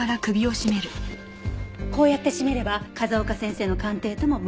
こうやって絞めれば風丘先生の鑑定とも矛盾しない。